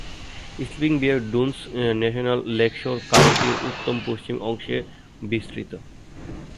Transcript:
Sleeping bear dunes national lakeshore কাউন্টির উত্তর-পশ্চিম অংশে বিস্তৃত।